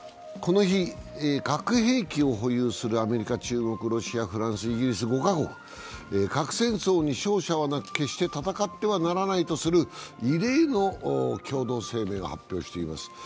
この日、核兵器を保有するアメリカ中国、ロシア、フランスの５カ国、核戦争に勝者はなく、決して戦ってはならないとする異例の共同声明を発表しています。